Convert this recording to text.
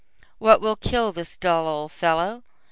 What will kill this dull old fellow?